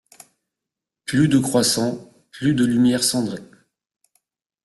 Plus de croissant, plus de lumière cendrée.